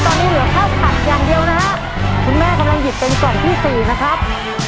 ตอนนี้เหลือข้าวผัดอย่างเดียวนะฮะคุณแม่กำลังหยิบเป็นกล่องที่สี่นะครับ